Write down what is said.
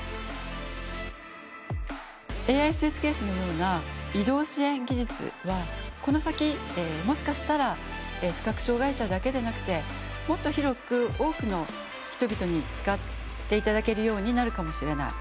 ＡＩスーツケースのような移動支援技術はこの先、もしかしたら視覚障害者だけでなくてもっと広く多くの人々に使っていただけるようになるかもしれない。